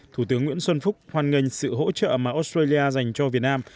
thủ tướng nguyễn xuân phúc hoan nghênh sự hỗ trợ mà australia dành cho việt nam